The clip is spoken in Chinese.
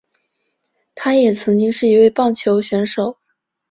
他也曾经是一位棒球选手。